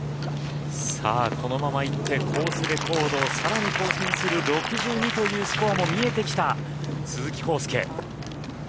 このままいってコースレコードをさらに更新する６２というスコアも見えてきた鈴木晃祐。